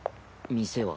店は？